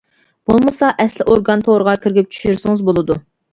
بولمىسا ئەسلى ئورگان تورىغا كىرىپ چۈشۈرسىڭىز بولىدۇ.